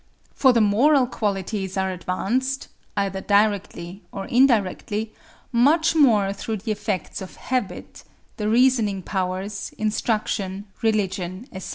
For the moral qualities are advanced, either directly or indirectly, much more through the effects of habit, the reasoning powers, instruction, religion, etc.